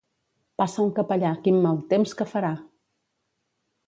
Passa un capellà, quin mal temps que farà!